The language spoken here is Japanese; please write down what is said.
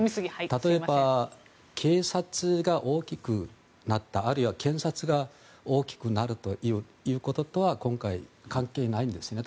例えば警察が大きくなったあるいは検察が大きくなるということとは今回、関係ないんですね。